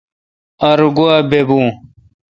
ار گوا بیبو۔